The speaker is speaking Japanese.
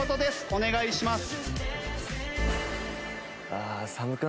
お願いします。